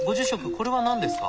これは何ですか？